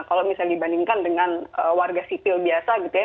kalau misalnya dibandingkan dengan warga sipil biasa gitu ya